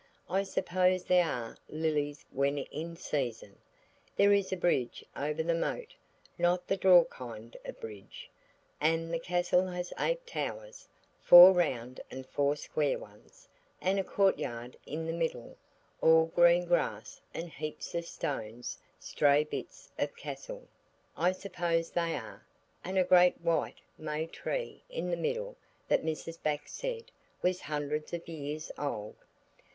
I suppose there are lilies when in season. There is a bridge over the moat–not the draw kind of bridge. And the castle has eight towers–four round and four square ones, and a courtyard in the middle, all green grass, and heaps of stones–stray bits of castle, I suppose they are–and a great white may tree in the middle that Mrs. Bax said was hundreds of years old.